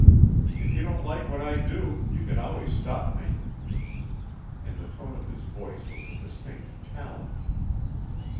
If you don't like what I do, you can always stop me." In the tone of his voice was a distinct challenge.